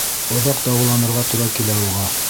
Оҙаҡ дауаланырға тура килә уға.